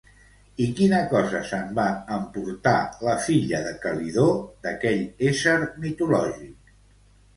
I quina cosa se'n va emportar la filla de Calidó d'aquell ésser mitològic?